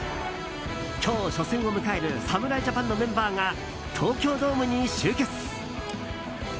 今日、初戦を迎える侍ジャパンのメンバーが東京ドームに集結！